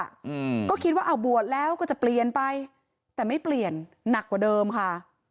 อืมก็คิดว่าเอาบวชแล้วก็จะเปลี่ยนไปแต่ไม่เปลี่ยนหนักกว่าเดิมค่ะ